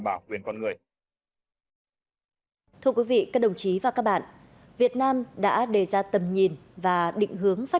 bảo quyền con người thưa quý vị các đồng chí và các bạn việt nam đã đề ra tầm nhìn và định hướng phát